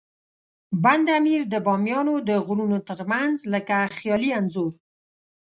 بند امیر د بامیانو د غرونو ترمنځ لکه خیالي انځور.